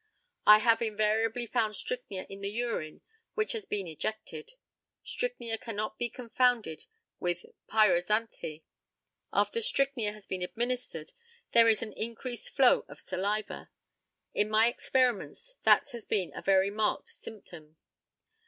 I have invariably found strychnia in the urine which has been ejected. Strychnia cannot be confounded with pyrozanthe. After strychnia has been administered there is an increased flow of saliva. In my experiments that has been a very marked symptom.